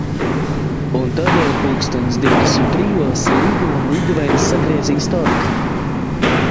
Un tad, pulkstens divdesmit trijos, līgava un līgavainis sagriezīs torti.